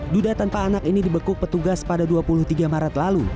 duda tanpa anak ini dibekuk petugas pada dua puluh tiga maret lalu